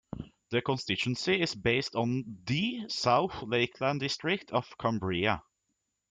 The constituency is based on the South Lakeland district of Cumbria.